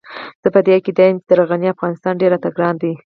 زه په دې عقيده يم چې تر غني افغانستان ډېر راته ګران دی.